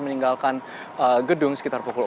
meninggalkan gedung sekitar pukul